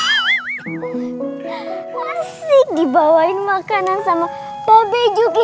asik dibawain makanan sama babe juki